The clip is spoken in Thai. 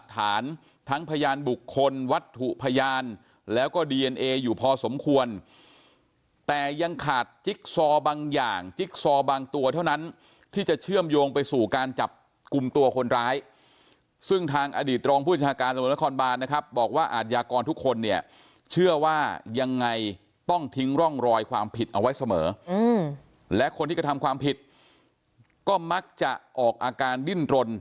ฐานทั้งพยานบุคคลวัตถุพยานแล้วก็ดีเอนเออยู่พอสมควรแต่ยังขาดจิ๊กซอบางอย่างจิ๊กซอบางตัวเท่านั้นที่จะเชื่อมโยงไปสู่การจับกลุ่มตัวคนร้ายซึ่งทางอดีตรองผู้จัดการตำรวจนครบานนะครับบอกว่าอาทยากรทุกคนเนี่ยเชื่อว่ายังไงต้องทิ้งร่องรอยความผิดเอาไว้เสมอและคนที่กระทำความผิดก็มักจะออกอาการดิ้นรน